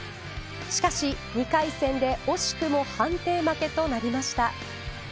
しかし、２回戦で惜しくも判定負けとなりました。